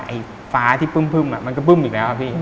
ไอ้ฟ้าที่ปึ้มมันก็บึ้มอีกแล้วพี่